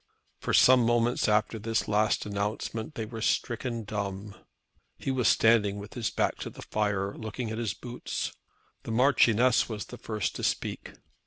For some moments after his last announcement they were stricken dumb. He was standing with his back to the fire, looking at his boots. The Marchioness was the first to speak.